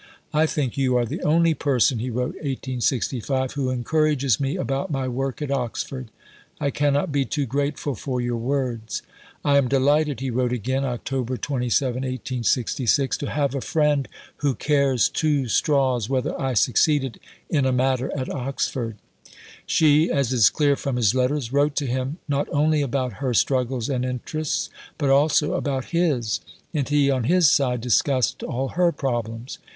"I think you are the only person," he wrote (1865), "who encourages me about my work at Oxford. I cannot be too grateful for your words." "I am delighted," he wrote again (Oct. 27, 1866), "to have a friend who cares two straws whether I succeeded in a matter at Oxford." She, as is clear from his letters, wrote to him, not only about her struggles and interests, but also about his; and he, on his side, discussed all her problems.